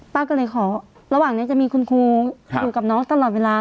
ป้าก็เลยขอระหว่างนี้จะมีคุณครูอยู่กับน้องตลอดเวลา